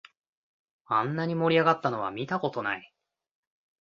あんなに盛り上がったのは見たことない